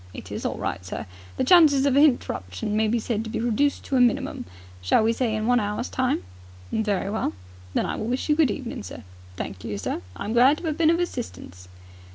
"It is all right, sir. The chances of a hinterruption may be said to be reduced to a minimum. Shall we say in one hour's time?" "Very well." "Then I will wish you good evening, sir. Thank you, sir. I am glad to 'ave been of assistance."